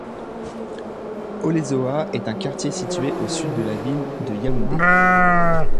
Olezoa est un quartier situé au sud de la ville de Yaoundé.